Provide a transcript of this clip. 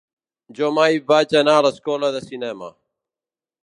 Jo mai vaig anar a l'escola de cinema.